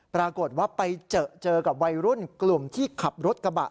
ปรากฏว่าไปเจอเจอกับวัยรุ่นกลุ่มที่ขับรถกระบะ